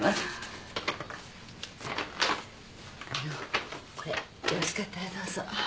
あのこれよろしかったらどうぞ。